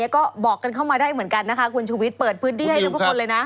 ก็บอกกันเข้ามาได้เหมือนกันนะคะคุณชุวิตเปิดพื้นที่ให้ทุกคนเลยนะ